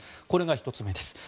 これが１つ目です。